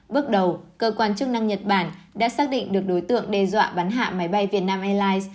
bước đầu cơ quan chức năng nhật bản đã xác định được đối tượng đe dọa bắn hạ máy bay vietnam airlines